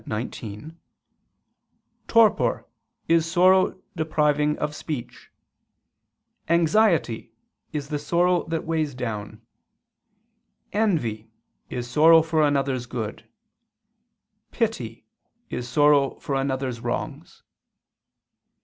xix.] "torpor is sorrow depriving of speech; anxiety is the sorrow that weighs down; envy is sorrow for another's good; pity is sorrow for another's wrongs."